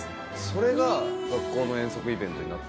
それが学校の遠足イベントになってる？